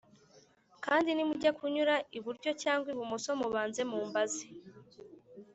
kandi nimujya kunyura iburyo cyangwa ibumoso mubanze mumbaze